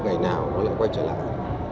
ngày nào cũng lại quay trở lại